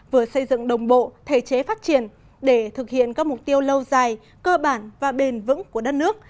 vừa xây dựng đồng bộ thể chế phát triển để thực hiện các mục tiêu lâu dài cơ bản và bền vững của đất nước